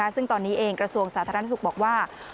ซึ่งตอนนี้เองกระทรวงสาธารณสุขบอกว่า